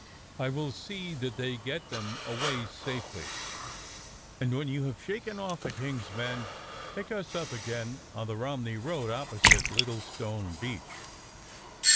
I will see that they get them away safely, and when you have shaken off the King's men pick us up again on the Romney road opposite Littlestone Beech.